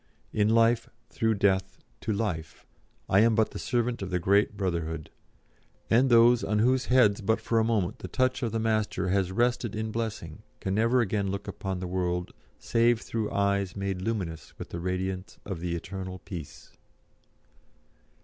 In life, through death, to life, I am but the servant of the great Brotherhood, and those on whose heads but for a moment the touch of the Master has rested in blessing can never again look upon the world save through eyes made luminous with the radiance of the Eternal Peace.